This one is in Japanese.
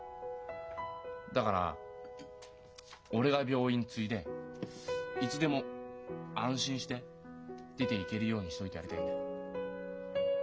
だから俺が病院継いでいつでも安心して出ていけるようにしといてやりたいんだ。